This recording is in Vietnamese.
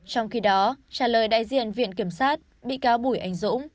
trong khi đó trả lời đại diện viện kiểm sát bị cáo bùi anh dũng